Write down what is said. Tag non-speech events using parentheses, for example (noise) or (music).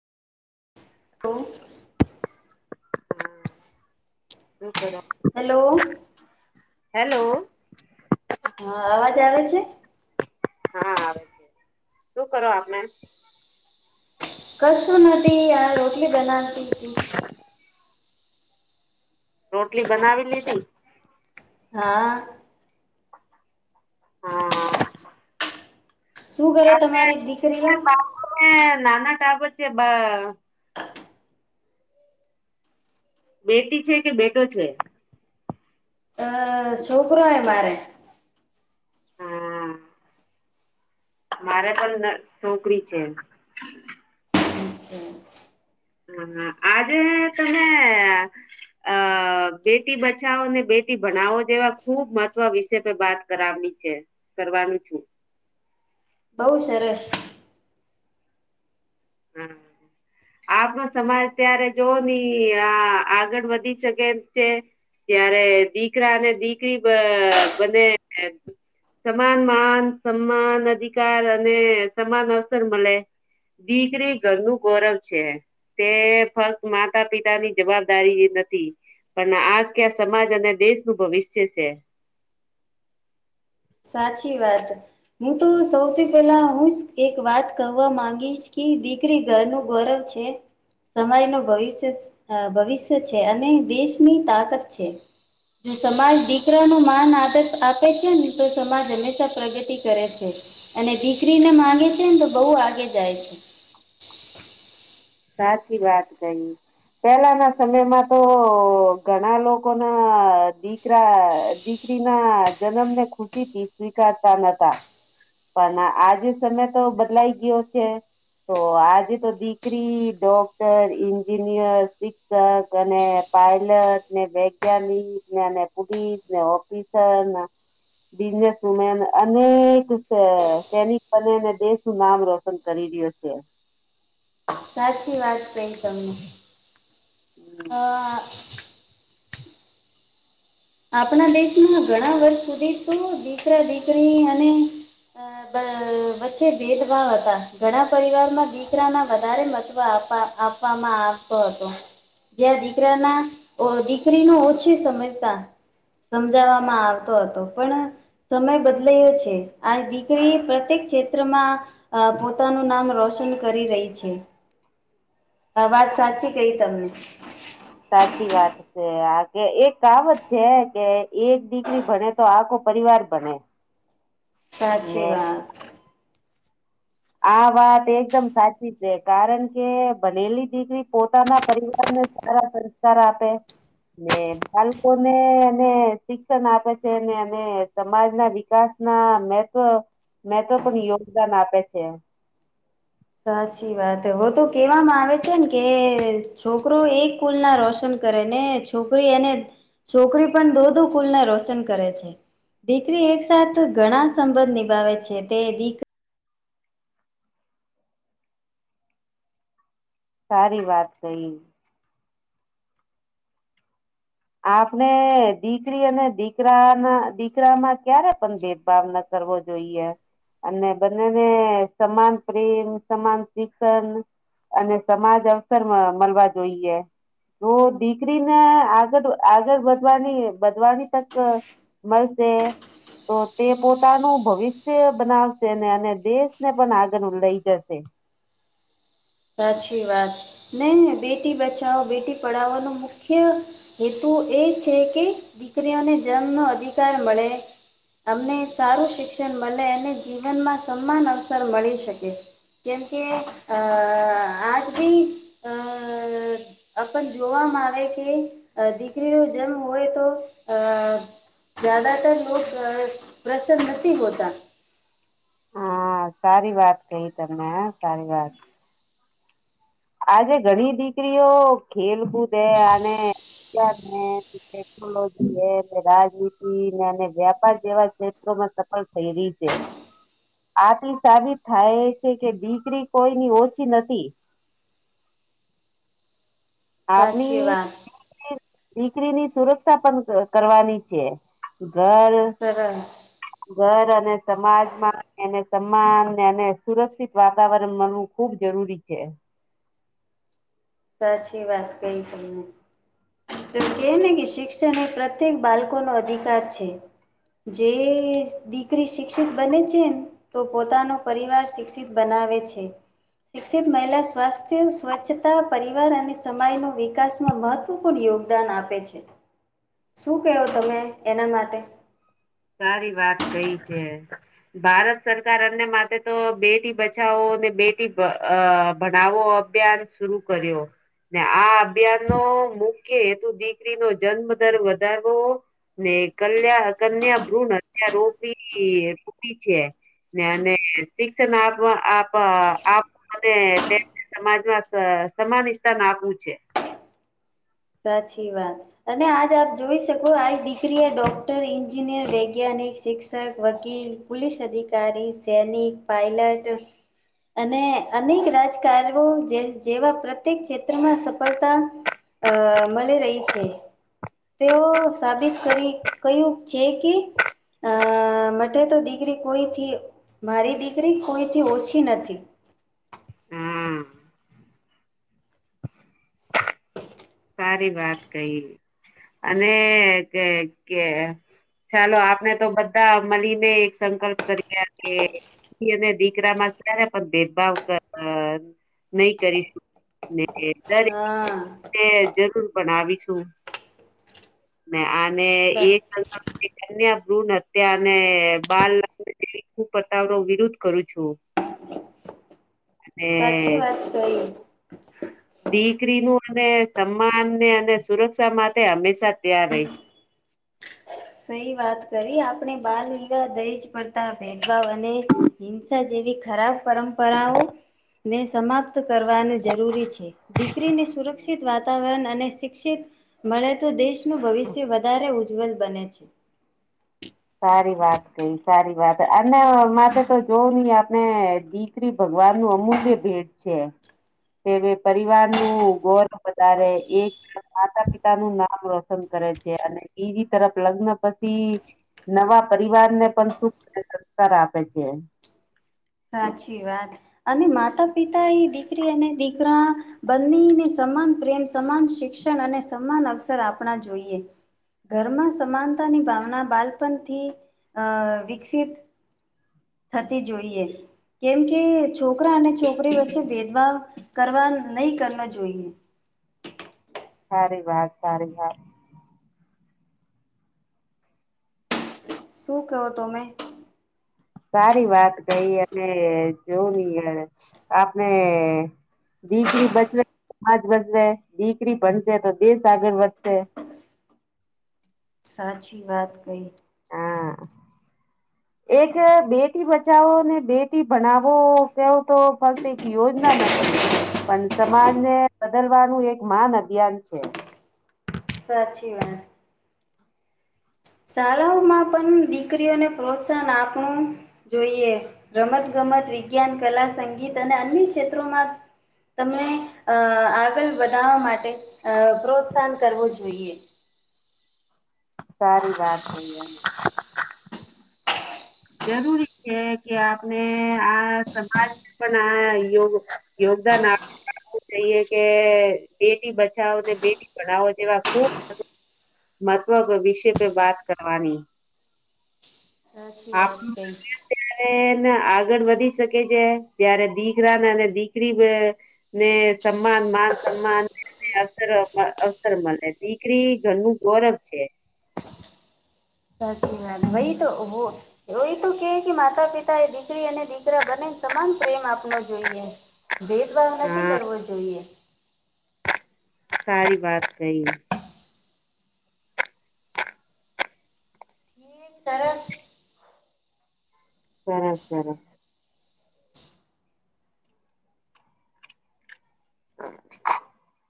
હમ હ hello hello હા અવાજ આવે છે. હા આવે છે, શું કરો આપણે કશું નથી ાર રોટલી બનાવતી હતી રોટલી બનાવી લીધી હા હમ હમ શું કરે તમારી દીકરીઓ? નાના ટાપ છે બ બેટી છે કે બેટો છે અ છોકરો હે મારે હમ મારે પણ છોકરી છે (inaudible) હા આજે તમે અ બેટી બચાવો ને બેટી ભણાવો જેવા ખુબ મહત્વ વિષ વાત કરાવની છે કરવાનું છું બઉ સરસ હમ આપનો સમાજ ત્યારે જોવા જઇયે આ આગળ વધી શકે એમ છે ત્યારે દીકરા અને દીકરી બને સમાન માન સમાન અધિકાર અને સમાન અવસર મળે દીકરી ઘરનું ગૌરવ છે તે ફક્ત માતા પિતા ની જવાબદારી નથી પણ આખ્યા સમાજ અને દેશનું ભવિષ્ય છે સાચી વાત હું તો સૌથી પહેલા હું એક વાત કરવા માંગીશ કે દી કરી ઘર નું ગૌરવ છે સમય નું ભવિષ્ય ભવિષ્ય છે અને દેશની તાકત છે જો સમાજ દીકરા નો માન આદર્શ આપે છે ને તો સમાજ હંમેશા પ્રગતિ કરે છે અને દીકરીને માંગે છે ને તો બહુ આગે જાય છે સાચી વાત કઈ પેલાના સમયમાં તો ઘણા લોકો ના દીક કરા દીકરી ના જન્મ ને ખુશી થી સ્વીકારતા નતા પણ આજે સમય તો બદલાઈ ગયો છે તો આજે તો દી કરી ડોક્ટર એન્જિનિયર શિક્ષક અને પાયલટ ને બ (unintelligible) પુલીસ ને ઓફિસર બિઝનેસમેન અનેક છે સૈનિક બનેને દેશનું નામ રો સન કરી રહ્યો છે સાચી વાત કરી તમેં હમ આપણા દેશમાં ઘણા વર્ષ સુધી તો દીકરા દીકરી અને અ વચ્ચે ભેદભાવ હતા ઘણા પરિવારમાં દીકરાના વધારે મત્વ આપ જા ના આવતો હતો જ્યા દીકરા ના દીકરી ને ઓછી સમજતા સમજાવામાં આવતો હતો પરં સમય બદલાયો છે આ દીકરી પ્રત્યેક ક્ષેત્રમાં અ પોતાનું નામ રોશન કરી રહી છે વાત સાચી કહી તમેં સાચી વાત કે આ કે એ કામ જ છે હ કે એક દીકરી ભને તો આખો પરિવાર ભને સાચી વાત આ વાત એકદમ સાચી છે કારણ કે બનેલી દીકરી પોતાના પરિવારને ખરા સારા આપે. ને બાળકોને અને શિક્ષણ આપે છે ને અને સમાજ ના વિકાસ ના મોટો મોટો પણ યોગદાન આપે છે. સાચી વાત હો તો કેહેવામાં આવે છે ને કે છોકરો એક કુલ ના રોશન કરે ને છોકરી એને છોકરી પણ દોધો કુલના રોશન કરે છે. દીકરી એકસાથ ઘણા સંબંધ નિભાવે છે તે દીકરી. સારી વાત કઈ. આપણે દીકરી અને દીકરા ના દીકરામાં ક્યારે પણ ભેદભાવ નથી. કરવો જોઈએ. અને બંનેને સમાન પ્રેમ સમાન શિક્ષણ અને સમાજ અવસરમાં મલવા જોઈએ તો દીકરીને આ. આગળ વધવાની વધવાની તક મળશે. તો તે પોતાનું ભવિષ્ય બનાવશે ને અને દેશને પણ આગળ લઈ જશે. સાચી વાત નહી બેટી બચાવો બેટી પડાવો નુ મુખ્ય. હેતુ એ છે કે દીકરીઓને જન્મનો અધિકાર મળે. અમને સારું શિક્ષણ મળે અને જીવનમાં સમાન અવસર મળી શકે. કેમકે અ આજ ભી અ. (unintelligible) અ પણ જોવાવામાં આવે કે દીકરીનો જેમ હોય તો આ. જ્યાદાતર લોક અ પ્રસન્ન નથી હોતા. હા સારી વાત કહી તમે હા સારી વાત. આજે ઘણી દીકરીઓ ખેલકૂદ અને. ટેકનોલોજી રાજનીતિ અને વ્યાપાર જેવા ક્ષેત્રોમાં સફળ થઈ રહી છે. આથી સાબિત થાય છે કે દીકરી કોઈની ઓછી નથી. સાચી આપની. વાત દીકરી ની સુરક્ષા પણ ક કરવાની છે ઘર. સર. ઘર અને સમાજમાં. એને સમાન અને સુરક્ષિત વાતાવરણ મળવું ખુબ જરૂરી છે. સાચી વાત કઈ તને. તો કહેને કે શિક્ષણ એ પ્રત્યેક બાળકોનો અધિકાર છે. જે દીકરી શિક્ષિત બને છે ને. તો પોતાનો પરિવાર શિક્ષિત બનાવે છે. શિક્ષિત મહિલા સ્વાસ્થ્ય સ્વચ્છતા પરિવાર અને સમય નો વિકાસ. મહત્વપૂર્ણ યોગદાન આપે છે શું કેહો તમે એના માટે. સારી વાત કઈ છે. ભારત સરકાર એમને માટે તો બેટી બચાવો ને બેટી અ ભણાવો. અભ્યાન શરૂ કર્યો. ને આ અભિયાન નો મુખ્ય હેતુ દીકરી નો જન્મદર વધારવો. ને કલ્યા કન્યા ભ્રૂણ હત્યા રોપી રોપી છે. ને અને શિક્ષણ આપ આપ આપ. અને તેમને સમાજમાં અ સમાન સ્થાન આપવું છે. સાચી વાત. અને આજ આપ જોઈ શકો આ દીકરીએ ડોક્ટર એન્જિનિયર વૈજ્ઞાનિક શિક્ષક વકીલ. પુલીસ અધિકારી સૈનિક પાયલટ. અને અનેક રાજકાર્યો જે જેવા પ્રત્યેક ક્ષેત્રમાં સફળતા. અ મળી રહી છે. તેઓ સાબિત કરી કહ્યું છે કે. અ મટે તો દીકરી કોઈથી મારી દીકરી કોઈથી ઓછી નથી. હા હ (unintelligible) સારી વાત કહી અને કે કે ચાલો આપણે તો બધા મળીને એક સંકલ્પ કરીએ કે દીકરી અને દીકરામાં ક્યારે પણ ભેદભાવ‌ અ નહી કરીએ ને હા દરેક જરૂર ભણવીશું. ને અને એક ક કન્યા ભ્રૂણ હત્યા અને બાલ હું પતાવરો વિરુદ્ધ કરું છું અને સાચી વાત કઈ. દીકરીનું અને સન્માન ને અને સુરક્ષા માટે હંમેશા ત્યાાર રહી. સઈ વાત કરી આપણેે બાલ વિવાહ દહીજ પડતા ભેદભાવ અને હિંસા જેવી ખરાબ પરંપરાઓને સમાપ્ત કરવાનું જરૂરી છે દીકરીને સુરક્ષિત વાતાવરણ અને શિક્ષિત મળે તો દેશનું ભવિષ્ય વધારે ઉજ્જવલ બને છે. સારી વાત કઈ સારી વાત અનેના મા તો જોવું નહી આપણે શ્રી ભગવાન નું અમૂલ્ય ભેટ છે તે પરિવાર નું ગોર વધારે એક માતા પિતા નું નામ રોશન કરે છે અને બીજી તરફ લગ્ન પછી નવા પરિવાર ને પણ શ સંસ્કાર આપે છે. સાચી વાત અને માતા પિતા એ દીકરી અને દીકરા બંનેને સમાન પ્રેમ સમાન શિક્ષણ અને સમાન અવસર આપણા જોઈએ. ઘરમાં સમાનતાની ભાવના બાળપણથી અ વિકસિત થતી જોઈએ. કેમ કે છોકરા અને છોકરી વચ્ચે ભેદભાવ કરવા નહી કરવા જોઈએ. સારી વાત સારી વાત શું કહો તમે સારી વાત કઈ અને જોવી આપણે. દીકરી બચવે સમાજ વધવે દીકરી ભનશે તો દેશ આગળ વધશે સાચી વાત કહી. હા એક બેટી બચાવો ને બેટી ભણાવો કેવું તો ફક્ત એક યોજના નથી. પણ સમાજ ને બદલવાનું એક મહાન અભિયાન છે. સાચી વાત શાળાઓમાં પણ દીકરીઓને પ્રોત્સાહન આપણું જોઈએ રમત ગમત વિજ્ઞાન કલા સંગીત અને અન્ય ક્ષેત્રોમાં તમને આગળ વધનાવા માટે પ્રોત્સાહન કરવું જોઈએ સારી વાત છે એ જરૂરી છે કે આપણે આ સમાજ. પણ આ યોગ યોગદાન આપ જઈએ કે બેટી બચાવો બેટી પઢાવો તેવા ખુબ મહત્વ વિશે પ વાત કરવાની સાચી વાત ક ત્યારે આગળ વધી શકે છે જયારે દીકરા ને અને દીકરી ને. ને સમાન માન સન્માન અસર અવસર મળે દીકરી ઘરનું ગૌરવ છે સાતી વાલ વહી તો ઓહ રોહ તો કે કે માતા પિતા એ દીકરી અને દીકરા બંને સમાન પ્રેમ આપનો જોઈએ ભેદભાવ નથી હા કરવો જોઈએ. સારી વાત કહી. સરસ સરસ સરસ.